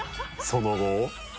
その後。